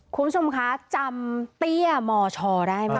คุณผู้ชมคะจำเตี้ยมชได้ไหม